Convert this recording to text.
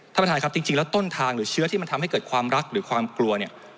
ท่านประธานครับจริงแล้วต้นทางหรือเชื้อที่มันทำให้เกิดความรักหรือความกลัวเนี่ย